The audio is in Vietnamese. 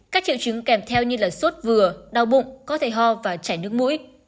các triệu chứng kèm theo như sốt vừa đau bụng có thể ho và chảy nước mũi